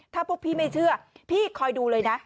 ถ้าพวกพี่ไม่เชื่อพี่คอยดูเลยนะ